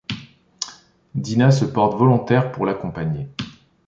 Dina se porte volontaire pour l'accompagner.